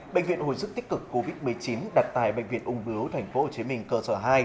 bệnh viện hồi sức tích cực covid một mươi chín đặt tại bệnh viện ung bướu tp hcm cơ sở hai